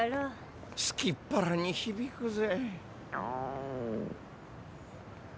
すきっぱらにひびくぜ。